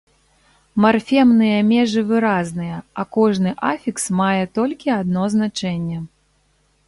Марфемныя межы выразныя, а кожны афікс мае толькі адно значэнне.